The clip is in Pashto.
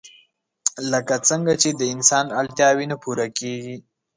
لکه څنګه چې د انسان اړتياوې نه پوره کيږي